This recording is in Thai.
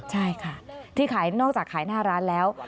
ใช่ค่ะที่ขายนอกจากขายหน้าร้านแล้ว